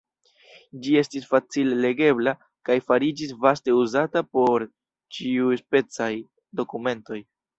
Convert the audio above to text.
Ĝi estis facile legebla kaj fariĝis vaste uzata por ĉiuspecaj dokumentoj.